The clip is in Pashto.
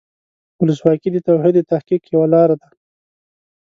ولسواکي د توحید د تحقق یوه لاره ده.